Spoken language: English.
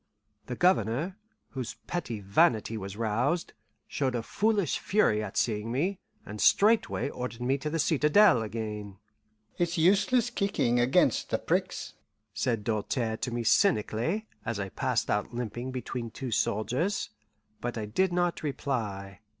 The Governor, whose petty vanity was roused, showed a foolish fury at seeing me, and straightway ordered me to the citadel again. "It's useless kicking 'gainst the pricks," said Doltaire to me cynically, as I passed out limping between two soldiers; but I did not reply.